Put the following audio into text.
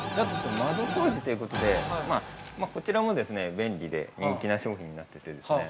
◆窓掃除ということでこちらも便利で人気な商品になっててですね。